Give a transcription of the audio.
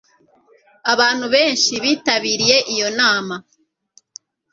abantu benshi bitabiriye iyo nama